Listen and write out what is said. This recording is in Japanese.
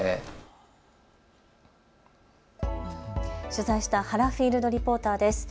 取材した原フィールドリポーターです。